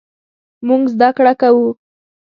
مونږ زده کړه کوو